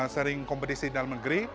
sering kompetisi dalam negeri